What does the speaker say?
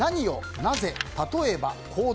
「なぜ」「例えば」「行動」